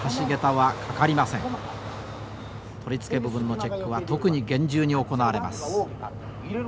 取り付け部分のチェックは特に厳重に行われます。